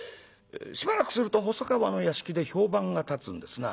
しばらくすると細川の屋敷で評判が立つんですな。